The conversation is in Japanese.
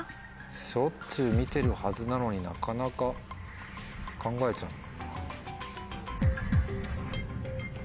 しょっちゅう見てるはずなのになかなか考えちゃうもんな。